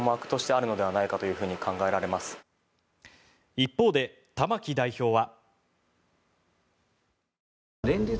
一方で玉木代表は。